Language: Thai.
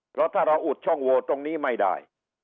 เพราะถ้าเราอุดช่องโวตรงนี้ไม่ได้